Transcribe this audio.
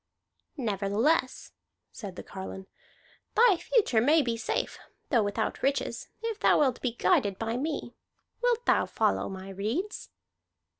"Nevertheless," said the carline, "the future may be safe, though without riches, if thou wilt be guided by me. Wilt thou follow my redes?"